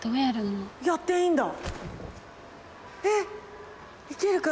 やっていいんだ。